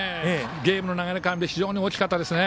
ゲームの流れが変わって非常に大きかったです。